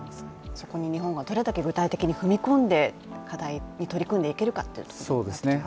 そこに日本はどれだけ具体的に踏み込んで課題に取り組んでいけるかということになりますね。